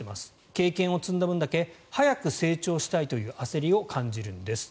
経験を積んだ分だけ早く成長したいという焦りを感じるんですと。